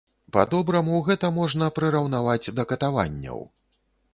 Па-добраму, гэта можна прыраўнаваць да катаванняў.